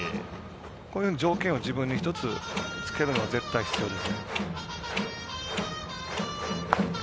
こういうふうに条件を自分に１つ、つけるのは絶対必要です。